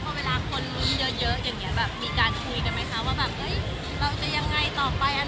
เวลาคนมีเยอะมีการคุยกันมั้ยคะว่าเราจะยังไงต่อไปอนาคต